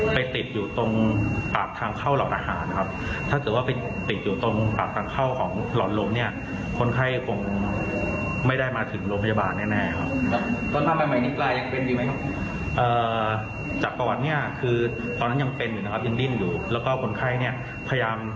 ปลาก็ขาดไปครับแล้วก็หลังจากนั้นก็ปลาก็ตายครับ